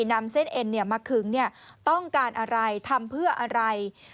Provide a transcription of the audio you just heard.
นำเส้นเอ็นมาขึงต้องการอะไรทำเพื่ออะไร